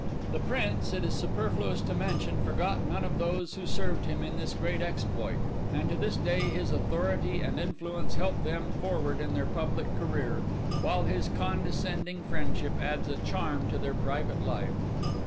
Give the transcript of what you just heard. The Prince, it is superfluous to mention, forgot none of those who served him in this great exploit; and to this day his authority and influence help them forward in their public career, while his condescending friendship adds a charm to their private life.